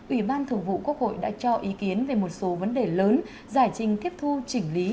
ủy ban thường vụ quốc hội đã cho ý kiến về một số vấn đề lớn giải trình tiếp thu chỉnh lý